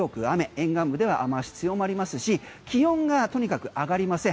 沿岸部では雨脚強まりますし気温がとにかく上がりません。